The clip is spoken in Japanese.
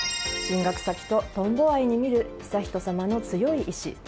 進学先とトンボ愛に見る悠仁さまの強い意思。